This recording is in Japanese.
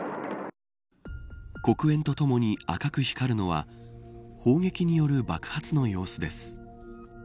黒煙とともに赤く光るのは砲撃による爆発の様子です。